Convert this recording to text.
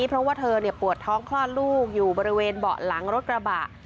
เพราะว่าเธอปวดท้องคลอดลูกอยู่บริเวณเบาะหลังรถกระบะ